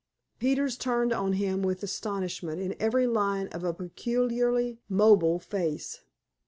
Peters turned on him with astonishment in every line of a peculiarly mobile face.